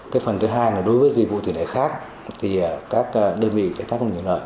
cái phần thứ hai là đối với dịch vụ tuyển đổi khác thì các đơn vị đại tác công nghiệp nội